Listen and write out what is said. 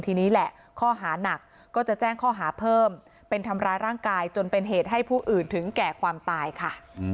ทีนี้แหละข้อหานักก็จะแจ้งข้อหาเพิ่มเป็นทำร้ายร่างกายจนเป็นเหตุให้ผู้อื่นถึงแก่ความตายค่ะ